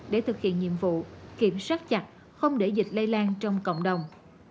để thực hiện nhiệm vụ kiểm soát chặt không để dịch lây lan trong cộng đồng